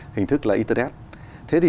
hình thức là internet thế thì